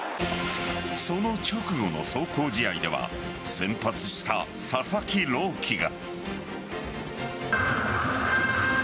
その直後の壮行試合では先発した佐々木朗希が。